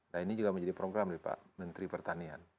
nah ini juga menjadi program nih pak menteri pertanian